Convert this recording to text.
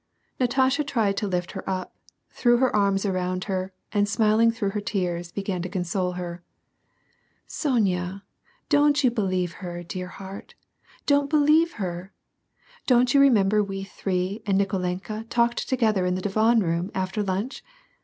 Natasha tried to lift her up, threw her arms around her, and smiling through her tears, began to console her. " Sonya, don't you believe her, dear heart ; don't believe her. Don't you remember we three and Nikolenka talked together in the divan room, after lunch